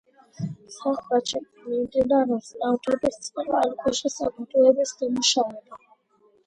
სამხრეთში მიმდინარეობს ნავთობის წყალქვეშა საბადოების დამუშავება.